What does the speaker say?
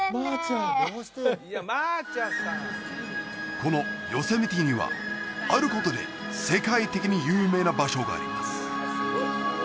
このヨセミテにはあることで世界的に有名な場所があります